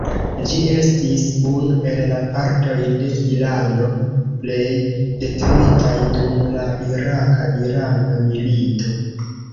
Ĝi estis unu el la partoj de Irano plej detruitaj dum la iraka-irana milito.